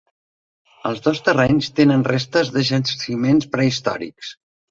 Els dos terrenys tenen restos de jaciments prehistòrics.